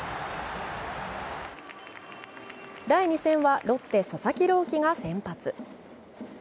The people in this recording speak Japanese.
第２戦はロッテ・佐々木朗希が先発。